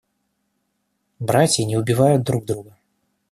Братья не убивают друг друга.